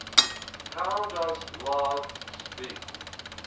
How does Love speak?